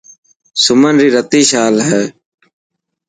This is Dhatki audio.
سمن ري رتي شال هي.